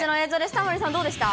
タモリさん、どうでした？